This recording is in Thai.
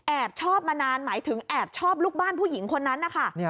ชอบมานานหมายถึงแอบชอบลูกบ้านผู้หญิงคนนั้นนะคะ